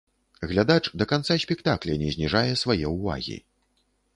Глядач да канца спектакля не зніжае свае ўвагі.